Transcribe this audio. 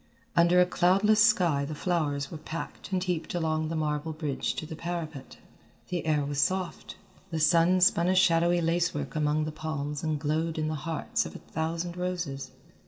Under a cloudless sky the flowers were packed and heaped along the marble bridge to the parapet. The air was soft, the sun spun a shadowy lacework among the palms and glowed in the hearts of a thousand roses.